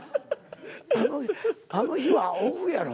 あの日はオフやろ？